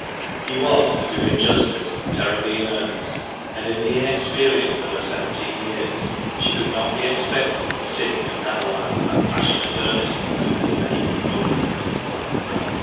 He was, to do him justice, terribly in earnest ; and in the inexperience of her seventeen years she could not be expected to sift and analyse that passionate earnestness for its many components.